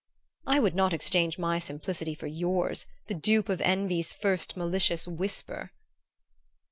"I would not exchange my simplicity for yours the dupe of envy's first malicious whisper!"